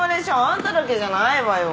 あんただけじゃないわよ。